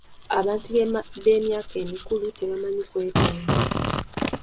Abantu eb'emyaka emikulu tebamanyi kwetonda.